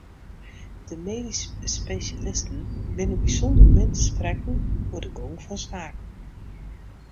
De medysk spesjalisten binne bysûnder min te sprekken oer de gong fan saken.